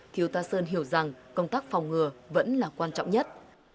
thiếu ta sơn hiểu rằng công tác phòng ngừa vẫn là quan trọng nhất